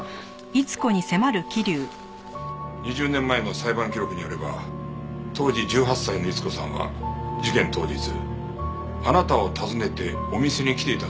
２０年前の裁判記録によれば当時１８歳の逸子さんは事件当日あなたを訪ねてお店に来ていたそうですね。